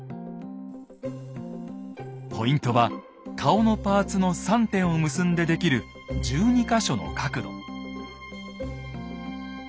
ポイントは顔のパーツの３点を結んで出来る１２か所の角度。